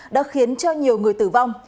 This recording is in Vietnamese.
đã khiến cho nhiều người tử vong